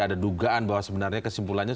ada dugaan bahwa sebenarnya kesimpulannya